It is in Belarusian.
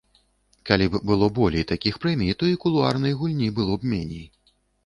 Калі б было болей такіх прэмій, то і кулуарнай гульні было б меней.